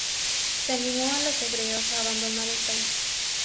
Se animó a los hebreos a abandonar el país.